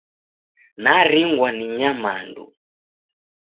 Naringwa ni nyamandu.